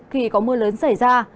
khi có mưa lớn xảy ra